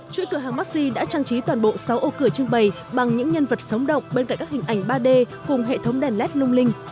chuỗi cửa hàng maxxi đã trang trí toàn bộ sáu ô cửa trưng bày bằng những nhân vật sóng động bên cạnh các hình ảnh ba d cùng hệ thống đèn led lung linh